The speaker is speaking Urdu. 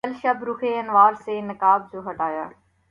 کل شب رخ انور سے نقاب جو ہٹایا